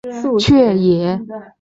却也衣食无虑